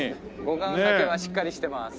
護岸だけはしっかりしてます。